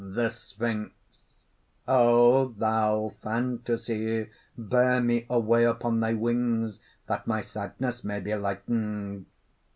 _) THE SPHINX. "O thou Fantasy, bear me away upon thy wings that my sadness may be lightened!"